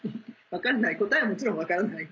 分かんない答えはもちろん分からない。